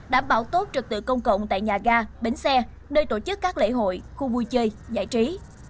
đảm bảo tốt trực tự công cộng tại nhà ga bến xe nơi tổ chức các lễ hội khu vui chơi giải trí